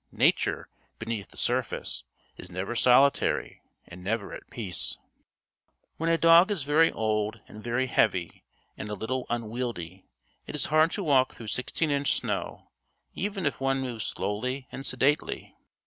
Nature (beneath the surface) is never solitary and never at peace. When a dog is very old and very heavy and a little unwieldy, it is hard to walk through sixteen inch snow, even if one moves slowly and sedately.